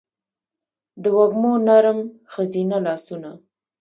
دوږمو نرم ښځینه لا سونه